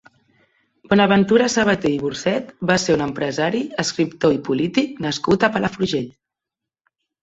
Bonaventura Sabater i Burcet va ser un empresari, escriptor i polític nascut a Palafrugell.